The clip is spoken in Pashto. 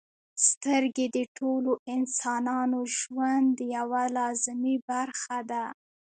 • سترګې د ټولو انسانانو ژوند یوه لازمي برخه ده.